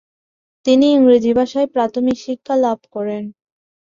তিনি ইংরেজি ভাষায় প্রাথমিক শিক্ষা লাভ করেন ।